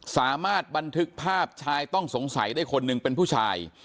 สามารถบันทึกภาพชายต้องสงสัยได้คนหนึ่งเป็นผู้ชาย